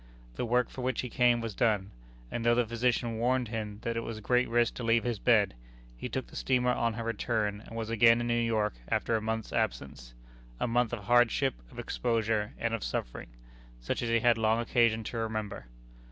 The work for which he came was done; and though the physician warned him that it was a great risk to leave his bed, he took the steamer on her return, and was again in New York after a month's absence a month of hardship, of exposure, and of suffering, such as he had long occasion to remember.